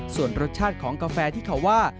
ส่วนรสชาติของกาแฟที่เขาว่า